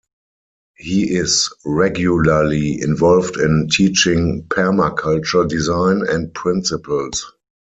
He is regularly involved in teaching Permaculture design and principles.